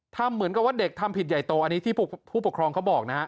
ทำเหมือนกับว่าเด็กทำผิดใหญ่โตอันนี้ที่ผู้ปกครองเขาบอกนะฮะ